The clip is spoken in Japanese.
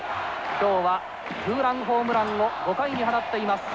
今日はツーランホームランを５回に放っています。